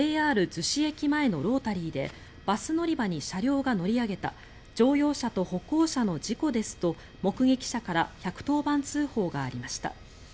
ＪＲ逗子駅前のロータリーでバス乗り場に車両が乗り上げた乗用車と歩行者の事故ですと目撃者から１１０番通報がありました。